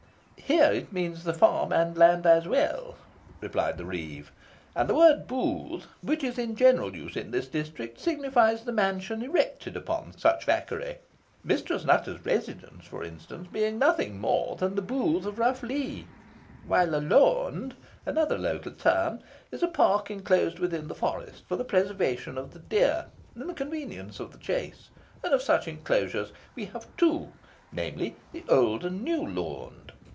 "Here it means the farm and land as well," replied the reeve; "and the word 'booth,' which is in general use in this district, signifies the mansion erected upon such vaccary: Mistress Nutter's residence, for instance, being nothing more than the booth of Rough Lee: while a 'lawnd,' another local term, is a park inclosed within the forest for the preservation of the deer, and the convenience of the chase, and of such inclosures we have two, namely, the Old and New Lawnd.